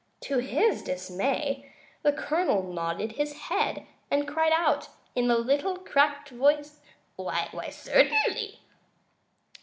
To his dismay the Colonel nodded his head, and cried out, in a little, cracked voice: "Why, certainly!"